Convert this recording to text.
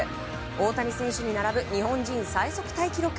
大谷選手に並ぶ日本人最速タイ記録。